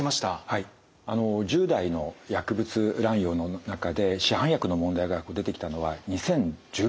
はいあの１０代の薬物乱用の中で市販薬の問題が出てきたのは２０１６年。